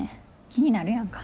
気になるやんか。